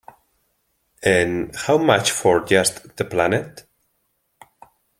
En "How Much for Just the Planet?